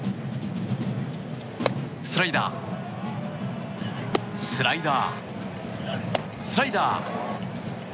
スライダースライダースライダー！